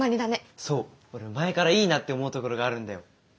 そう俺前からいいなって思う所があるんだよ。